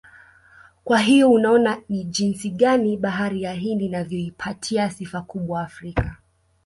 Kwa hiyo unaona ni jinsi gani bahari ya Hindi inavyoipatia sifa kubwa Afrika